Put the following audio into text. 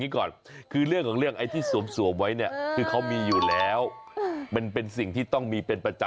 คนก็ต้องตรวจ